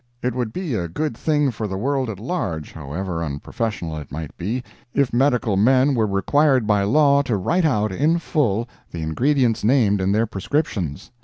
It would be a good thing for the world at large, however unprofessional it might be, if medical men were required by law to write out in full the ingredients named in their prescriptions.